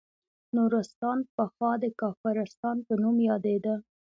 نورستان پخوا د کافرستان په نوم یادیده